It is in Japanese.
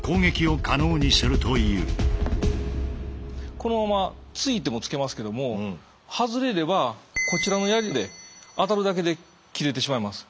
このまま突いても突けますけども外れればこちらの槍で当たるだけで切れてしまいます。